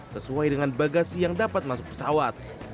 sesuai dengan bagasi yang dapat masuk pesawat